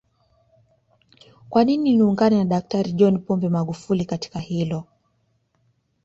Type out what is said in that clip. Kwanini niungane na Daktari John Pombe Magufuli katika hilo